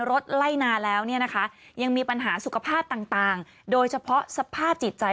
รถไล่นาแล้วเนี่ยนะคะยังมีปัญหาสุขภาพต่างโดยเฉพาะสภาพจิตใจ